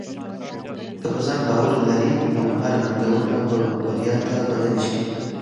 که په ځان باور لرې، نو هره ننګونه به بریا ته بدل شي.